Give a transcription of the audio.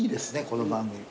この番組。